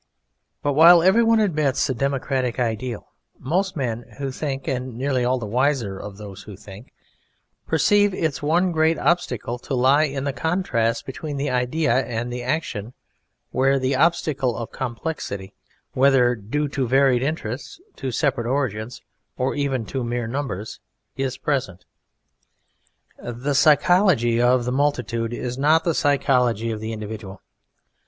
But while every one admits the democratic ideal, most men who think and nearly all the wiser of those who think, perceive its one great obstacle to lie in the contrast between the idea and the action where the obstacle of complexity whether due to varied interests, to separate origins, or even to mere numbers is present. The psychology of the multitude is not the psychology of the individual.